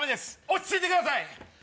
落ち着いてください！